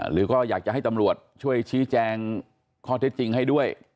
หรือก็อยากจะให้ตำรวจช่วยชี้แจงข้อเท็จจริงให้ด้วย